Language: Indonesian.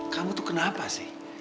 kamu tuh kenapa sih